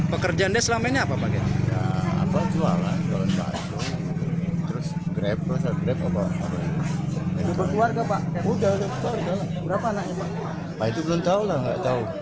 pelaku dikenal berkepribadian baik dan ramah kepada warga sekitarnya